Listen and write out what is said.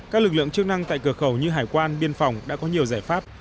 các lực lượng chức năng tại cửa khẩu như hải quan biên phòng đã có nhiều giải pháp